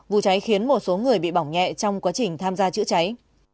vụ cháy khiến một số người bị bỏng nhẹ trong quá trình tham gia chữa cháy